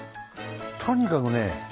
とにかくね